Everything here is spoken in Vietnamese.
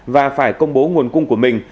và phải công bố nguồn cung của mình